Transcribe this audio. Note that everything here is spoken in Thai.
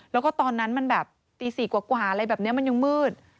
แล้วก็ตอนนั้นมันแบบตี๔กว่าอะไรแบบนี้มันยังมืด